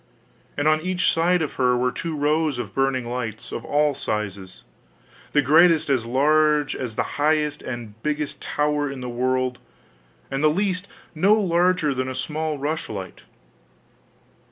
And on each side of her were two rows of burning lights, of all sizes, the greatest as large as the highest and biggest tower in the world, and the least no larger than a small rushlight.